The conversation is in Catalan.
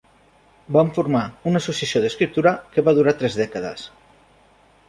Van formar una associació d'escriptura que va durar tres dècades.